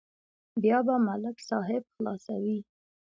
بیا به ملک صاحب خلاصوي.